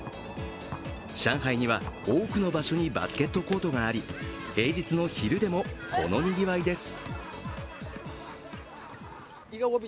上海には多くの場所にバスケットコートがあり平日の昼でもこのにぎわいです。